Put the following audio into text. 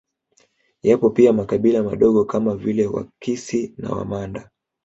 Yapo pia makabila madogo kama vile Wakisi na Wamanda